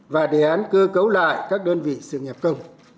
và đề án cơ cấu lại các đơn vị sự nghiệp công